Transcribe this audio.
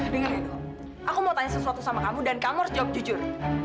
dengar nih do aku mau tanya sesuatu sama kamu dan kamu harus jawab jujur